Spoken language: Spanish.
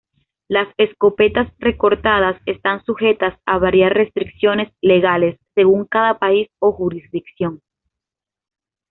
Las escopetas recortadas están sujetas a varias restricciones legales según cada país o jurisdicción.